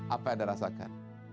apa yang anda rasakan